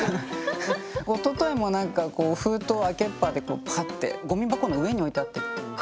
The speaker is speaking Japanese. おとといもなんか封筒を開けっぱでこうパッてゴミ箱の上に置いてあって。